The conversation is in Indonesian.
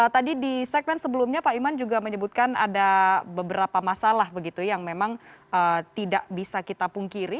tadi di segmen sebelumnya pak iman juga menyebutkan ada beberapa masalah begitu yang memang tidak bisa kita pungkiri